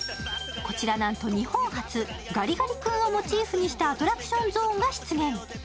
こちらなんと日本初、ガリガリ君をモチーフにしたアトラクションゾーンが出現。